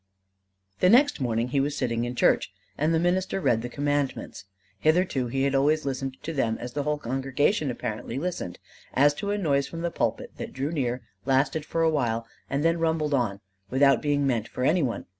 The next morning he was sitting in church; and the minister read the Commandments. Hitherto he had always listened to them as the whole congregation apparently listened: as to a noise from the pulpit that drew near, lasted for a while, and then rumbled on without being meant for any one.